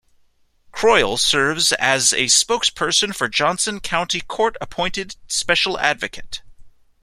Croyle serves as a spokesperson for Johnson County Court Appointed Special Advocate.